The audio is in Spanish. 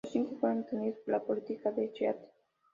Los cinco fueron detenidos por la policía de Seattle.